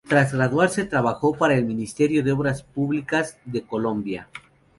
Tras graduarse trabajó para el Ministerio de Obras Públicas de Colombia.